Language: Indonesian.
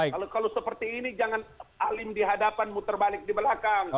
kalau seperti ini jangan alim di hadapan muter balik di belakang